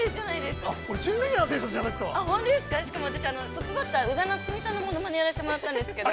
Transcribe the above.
しかも私、トップバッター、宇賀なつみさんのものまねやらしてもらったんですけど。